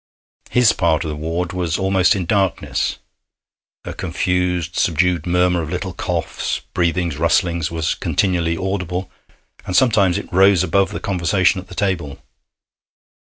His part of the ward was almost in darkness. A confused, subdued murmur of little coughs, breathings, rustlings, was continually audible, and sometimes it rose above the conversation at the table.